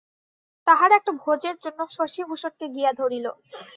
তাহারা একটা ভোজের জন্য শশিভূষণকে গিয়া ধরিল।